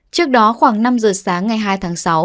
trước đó khoảng năm giờ sáng ngày hai tháng sáu